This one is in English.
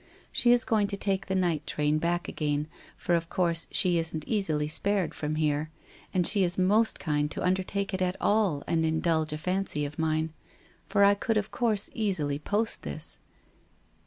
She is going to take the night train back again, for, of course, she isn't easily spared from here, and she is most kind to undertake it at all and indulge a fancy of mine, WHITE ROSE OF WEARY LEAF 407 for I could of course easily post this.